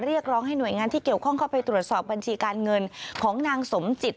เรียกร้องให้หน่วยงานที่เกี่ยวข้องเข้าไปตรวจสอบบัญชีการเงินของนางสมจิต